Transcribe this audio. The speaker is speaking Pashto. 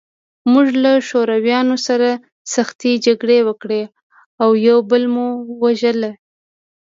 موږ له شورویانو سره سختې جګړې وکړې او یو بل مو وژل